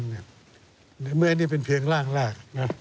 เมื่ออันนี้เป็นเพียงร่างแรก